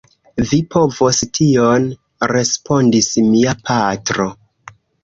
Vi povos tion, respondis mia patro.